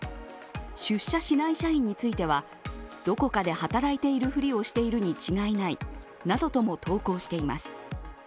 出社しない社員についてはどこかで働いているふりをしているに違いないなどとも投稿しています。